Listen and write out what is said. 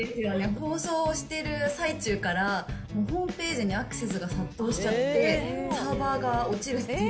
放送してる最中から、ホームページにアクセスが殺到しちゃって、サーバーが落ちるっていう。